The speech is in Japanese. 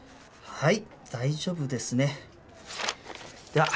はい。